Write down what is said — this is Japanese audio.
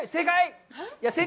正解！